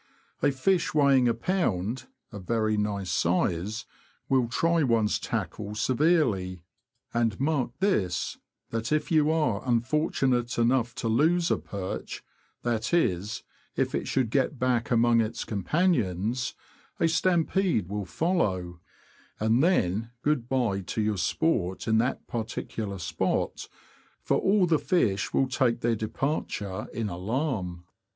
A fish weighing a pound — a very nice size — will try" 302 THE LAND OF THE BROADS. one's tackle severely ; and mark this, that if you are unfortunate enough to lose a perch — that is, if it should get back among its companions — a stampede will follow, and then good bye to your sport in that particular spot, for all the fish will take their departure in alarm.